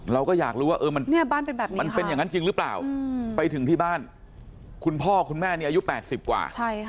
เราก็อยากรู้ว่ามันเป็นอย่างนั้นจริงหรือเปล่าไปถึงที่บ้านคุณพ่อคุณแม่นี่อายุ๘๐กว่า